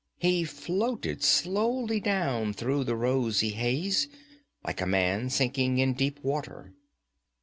He floated slowly down through the rosy haze like a man sinking in deep water.